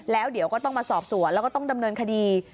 แล้วเดี๋ยวก็ต้องมาสอบสวนแล้วก็ต้องดำเนินคดี